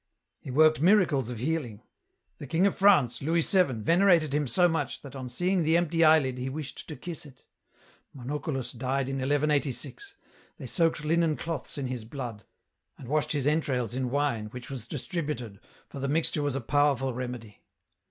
" He worked miracles of healing. The king of France, Louis Vn., venerated him so much that, on seeing the empty eyelid, he wished to kiss it. Monoculus died in Ii86 ; they soaked linen cloths in his blood, and washed his entrails in wine which was distributed for the mixture was a powerful remedy.